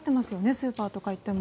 スーパーとか行っても。